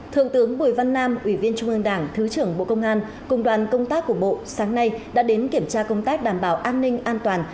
thượng tướng bùi văn nam ủy viên trung ương đảng thứ trưởng bộ công an cùng đoàn công tác của bộ sáng nay đã đến kiểm tra công tác đảm bảo an ninh an toàn